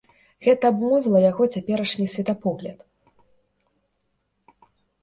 Гэта абумовіла яго цяперашні светапогляд.